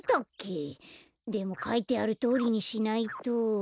でもかいてあるとおりにしないと。